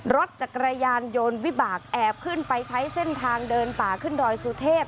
รถจักรยานยนต์วิบากแอบขึ้นไปใช้เส้นทางเดินป่าขึ้นดอยสุเทพ